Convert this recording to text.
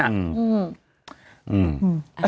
อืม